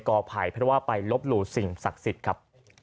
อภัยเพราะว่าไปลบหลู่สิ่งศักดิ์สิทธิ์ครับ